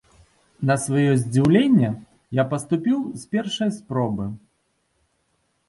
На сваё здзіўленне, я паступіў з першай спробы.